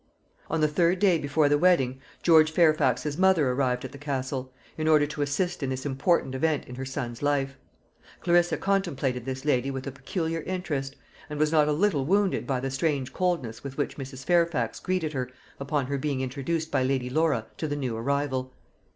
On the third day before the wedding, George Fairfax's mother arrived at the Castle, in order to assist in this important event in her son's life. Clarissa contemplated this lady with a peculiar interest, and was not a little wounded by the strange coldness with which Mrs. Fairfax greeted her upon her being introduced by Lady Laura to the new arrival.